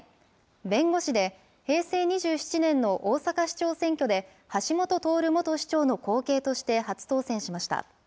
弁護士で、平成２７年の大阪市長選挙で橋下徹元市長の後継として初当選しました。